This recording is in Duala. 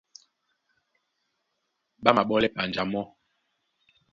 Ɓá máɓɔ́lɛ panja mɔ́.